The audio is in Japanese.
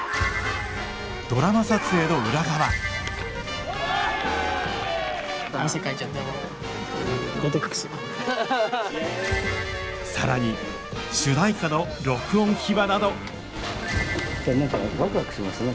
ドラマ撮影の裏側更に主題歌の録音秘話など何かワクワクしますね。